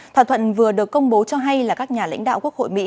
thỏa thuận vừa được công bố cho hay là các nhà lãnh đạo quốc hội mỹ